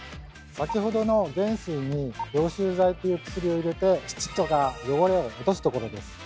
先ほどの原水に「凝集剤」という薬を入れて土とか汚れを落とす所です。